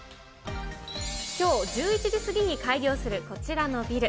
きょう１１時過ぎに開業する、こちらのビル。